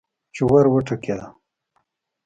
چې ور وټکېده.